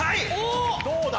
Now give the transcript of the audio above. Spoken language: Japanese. どうだ？